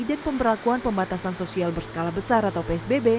dan pemberakuan pembatasan sosial berskala besar atau psbb